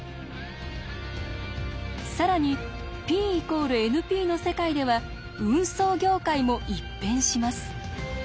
更にＰ＝ＮＰの世界では運送業界も一変します。